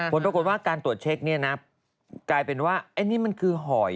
ผลปรากฏว่าการตรวจเช็คเนี่ยนะกลายเป็นว่าไอ้นี่มันคือหอย